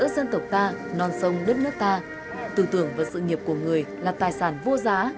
dân tộc ta non sông đất nước ta tư tưởng và sự nghiệp của người là tài sản vô giá